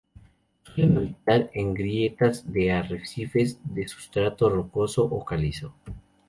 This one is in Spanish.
Suelen habitar en grietas de los arrecifes de sustrato rocoso o calizo.